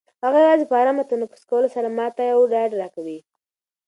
هغه یوازې په ارامه تنفس کولو سره ما ته ډاډ راکوي.